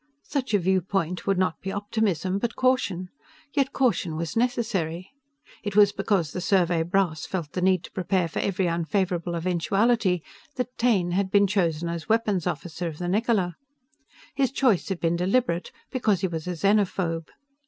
Such a viewpoint would not be optimism, but caution. Yet caution was necessary. It was because the Survey brass felt the need to prepare for every unfavorable eventuality that Taine had been chosen as weapons officer of the Niccola. His choice had been deliberate, because he was a xenophobe.